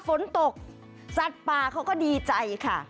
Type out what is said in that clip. ฝนตกสัตว์ป่าเขาก็ดีใจค่ะ